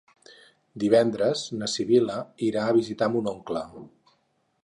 Divendres na Sibil·la irà a visitar mon oncle.